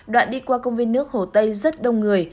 đoạn đi qua công viên nước hồ tây rất đông người